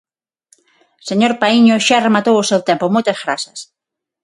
Señor Paíño, xa rematou o seu tempo, moitas grazas.